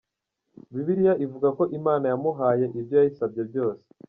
Bibiliya ivuga ko Imana yamuhaye ibyo yayisabye byose.